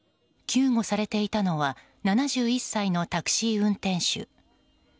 救護されていたのは７１歳のタクシー運転手。